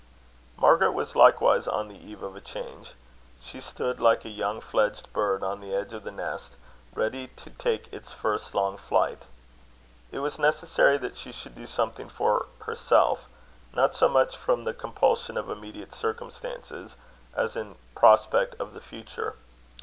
Margaret was likewise on the eve of a change. She stood like a young fledged bird on the edge of the nest, ready to take its first long flight. It was necessary that she should do something for herself, not so much from the compulsion of immediate circumstances, as in prospect of the future.